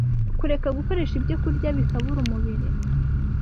kureka gukoresha ibyokurya bikabura umubiri